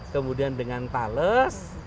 kemudian dengan tales